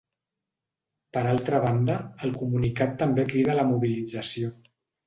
Per altra banda, el comunicat també crida a la mobilització.